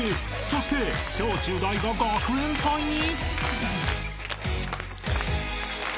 ［そして小中大が学園祭に！？］